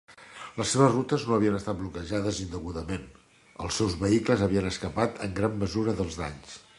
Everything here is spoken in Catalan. Les seves rutes no havien estat bloquejades indegudament; els seus vehicles havien escapat en gran mesura dels danys.